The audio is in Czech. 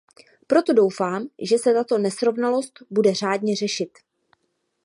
Proto doufám, že se tato nesrovnalost bude řádně řešit.